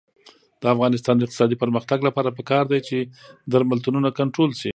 د افغانستان د اقتصادي پرمختګ لپاره پکار ده چې درملتونونه کنټرول شي.